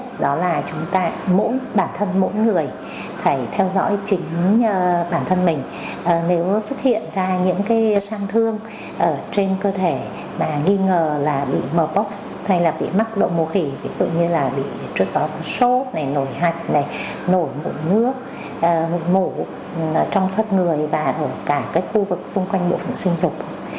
trước đó là sốt nổi hạch nổi mũ nước mũ trong thất người và ở cả khu vực xung quanh bộ phòng sinh dục